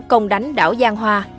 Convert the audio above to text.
công đánh đảo giang hoa